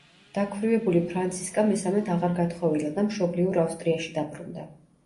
დაქვრივებული ფრანცისკა მესამედ აღარ გათხოვილა და მშობლიურ ავსტრიაში დაბრუნდა.